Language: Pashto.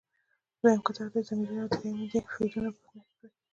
دویم کتار دې ضمیرونه او دریم دې فعلونه په نښه کړي.